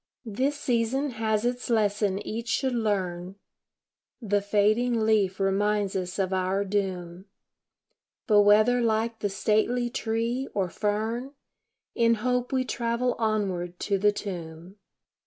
This season has its lesson each should learn The fading leaf reminds us of our doom; But whether like the stately tree, or fern, In hope we travel onward to the tomb.